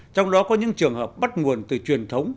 trong đó có những trường hợp bắt nguồn từ truyền thống